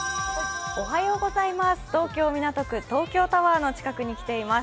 東京・港区東京タワーの近くに来ています。